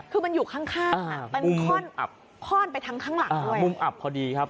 คือมันอยู่ข้างมันคล่อนไปทั้งข้างหลังด้วยมุมอับพอดีครับ